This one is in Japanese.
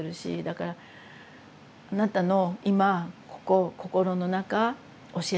だから「あなたの今ここ心の中教えて。